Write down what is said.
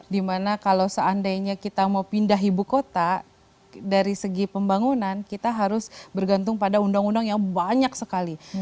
dimana kalau seandainya kita mau pindah ibu kota dari segi pembangunan kita harus bergantung pada undang undang yang banyak sekali